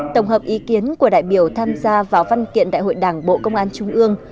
tổng hợp ý kiến của đại biểu tham gia vào văn kiện đại hội đảng bộ công an trung ương